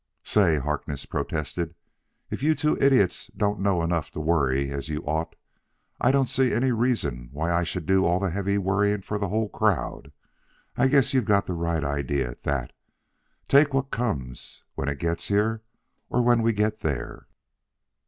"Say," Harkness protested, "if you two idiots don't know enough to worry as you ought, I don't see any reason why I should do all the heavy worrying for the whole crowd. I guess you've got the right idea at that: take what comes when it gets here or when we get there."